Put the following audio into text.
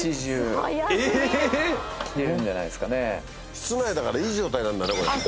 室内だからいい状態なんだねこれ。